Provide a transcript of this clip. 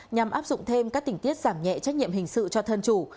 nhằm áp dụng thêm các tỉnh tiết giảm nhẹ trách nhiệm hình sự cho thân chủ